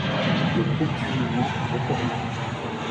Le groupe suivant est pour moi.